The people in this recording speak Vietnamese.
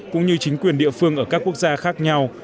cũng như chính quyền địa phương ở các quốc gia khác nhau